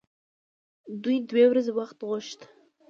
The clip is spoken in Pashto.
دوی دوې ورځې وخت وغوښت.